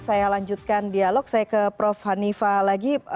saya lanjutkan dialog saya ke prof hanifah lagi